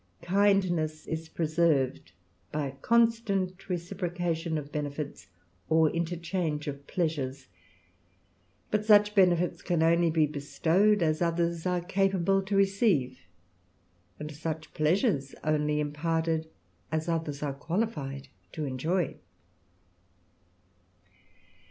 Kindness is preserved by a constant reciprocation ^* benefits or interchange of pleasures ; but such benefits ^^ly can be bestowed, as others are capable to receive, ^'^ci such pleasures only imparted, as others are qualified ^ ^njoy.